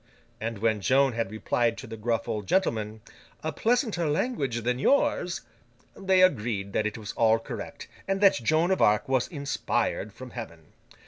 and when Joan had replied to the gruff old gentleman, 'A pleasanter language than yours,' they agreed that it was all correct, and that Joan of Arc was inspired from Heaven.